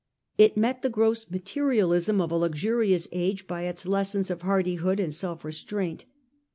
It met the gross materialism of a luxurious age by its lessons of hardihood and self restraint.